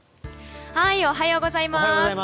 おはようございます。